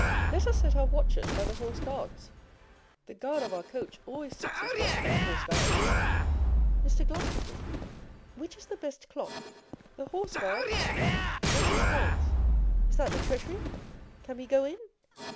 Let us set our watches by the Horse Guards. The guard of our coach always sets his watch by the Horse Guards. Mr. Glastonbury, which is the best clock, the Horse Guards, or St. Paul's? Is that the Treasury? Can we go in?